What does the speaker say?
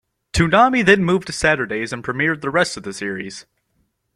Toonami then moved to Saturdays and premiered the rest of the series.